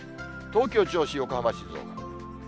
東京、銚子、横浜、静岡。